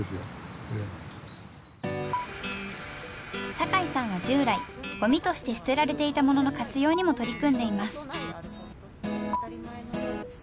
酒井さんは従来ゴミとして捨てられていたものの活用にも取り組んでいます。